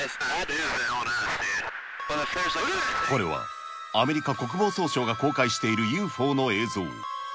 これはアメリカ国防総省が公開しているＵＦＯの映像。